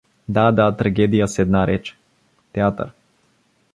— Да, да, трагедия, с една реч — театър.